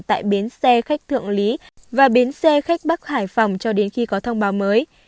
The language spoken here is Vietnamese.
tại bến xe khách thượng lý và bến xe khách bắc hải phòng cho đến khi có thông báo mới